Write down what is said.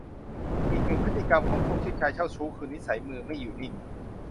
อีกหนึ่งพฤติกรรมของพวกผู้ชายเจ้าชู้คือ นิสัยมือไม่อยู่นิ่ง